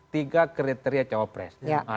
tiga kriteria jawabannya